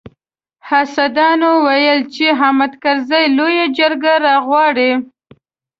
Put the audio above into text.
حاسدانو ويل چې حامد کرزي لويه جرګه راغواړي.